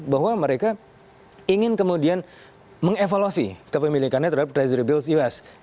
bahwa mereka ingin kemudian mengevaluasi kepemilikannya terhadap treasury bills us